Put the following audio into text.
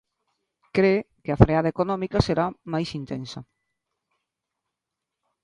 Cre que a freada económica será máis intensa.